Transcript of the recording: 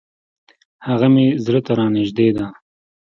هغه مي زړه ته را نژدې ده .